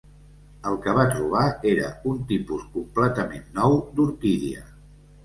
El que va trobar era un tipus completament nou d'orquídia.